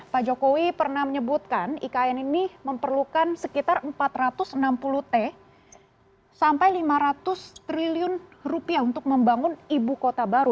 pak jokowi pernah menyebutkan ikn ini memerlukan sekitar empat ratus enam puluh t sampai lima ratus triliun rupiah untuk membangun ibu kota baru